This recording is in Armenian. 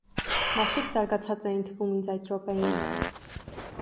մարդիկ գազանացած էին թվում ինձ այդ րոպեին: